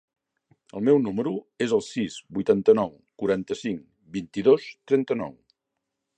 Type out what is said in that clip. El meu número es el sis, vuitanta-nou, quaranta-cinc, vint-i-dos, trenta-nou.